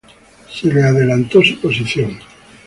Se le adelantó su posición.